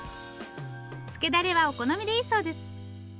つけダレはお好みでいいそうです